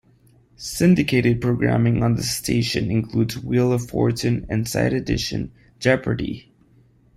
Syndicated programming on the station includes "Wheel of Fortune", "Inside Edition", "Jeopardy!